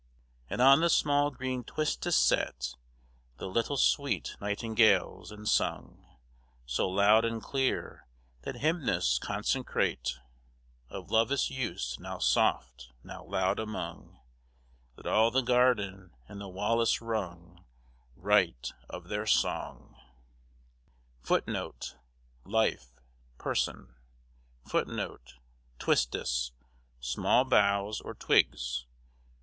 And on the small grene twistis+ set The lytel swete nightingales, and sung So loud and clear, the hymnis consecrate Of lovis use, now soft, now loud among, That all the garden and the wallis rung Right of their song * Lyf, Person. + Twistis, small boughs or twigs.